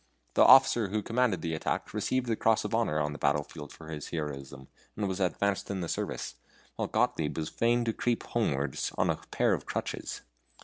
The officer who commanded the attack received the cross of honor on the battlefield for his heroism, and was advanced in the service; while Gottlieb was fain to creep homewards on a pair of crutches.